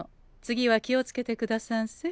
次は気を付けてくださんせ。